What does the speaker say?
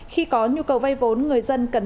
khi có nhu cầu vai vốn người dân cần